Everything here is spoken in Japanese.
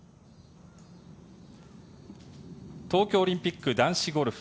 東京オリンピック男子ゴルフ。